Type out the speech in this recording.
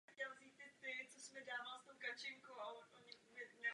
Divadlo se vedle běžného dramatu specializuje též na moderní tanec a klasickou hudbu.